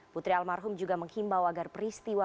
putri almarhum juga menghimbau agar peristiwa